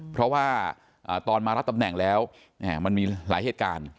เพราะว่าตอนมารับตำแหน่งแล้วมันมีหลายเหตุการณ์